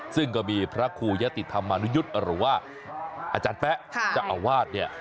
ซึ่งก็มีพระครูยะติธรรมนุยุทธ์หรือว่าอาจารย์แป๊ะเจ้าอาวาสเนี่ย